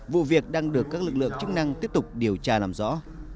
vụ việc đang được các lực lượng chức năng tiếp tục điều tra làm rõ